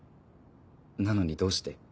なのにどうして？